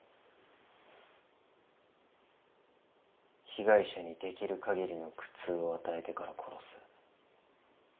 被害者にできる限りの苦痛を与えてから殺す。